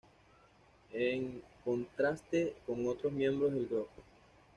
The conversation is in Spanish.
En contraste con otros miembros del Gro.